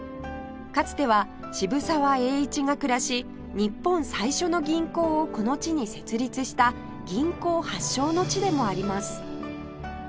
かつては渋沢栄一が暮らし日本最初の銀行をこの地に設立した銀行発祥の地でもあります